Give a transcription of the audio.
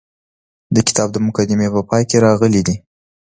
د کتاب د مقدمې په پای کې راغلي دي.